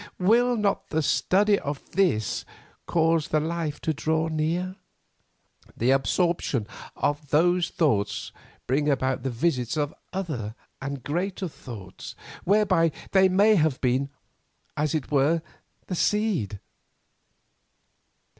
Will not the study of this life cause that life to draw near? the absorption of those thoughts bring about the visits of other and greater thoughts, whereof they may have been, as it were, the seed?"